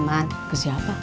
ke mana ke siapa